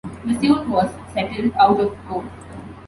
The suit was settled out-of-court.